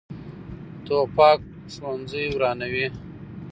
توپک ښوونځي ورانوي.